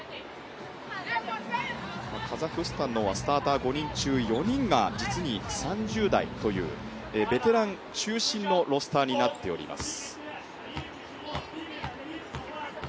カザフスタンの方はスターター５人中４人が実に３０代というベテラン中心のロースターになっております。